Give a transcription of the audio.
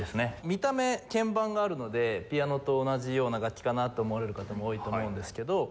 見た目鍵盤があるのでピアノと同じような楽器かなと思われる方も多いと思うんですけど。